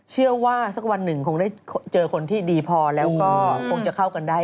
สักวันหนึ่งคงได้เจอคนที่ดีพอแล้วก็คงจะเข้ากันได้